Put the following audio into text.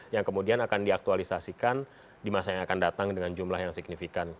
yang kemudian akan diaktualisasikan di masa yang akan datang dengan jumlah yang signifikan